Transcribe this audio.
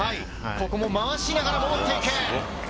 ここも回しながら戻っていく。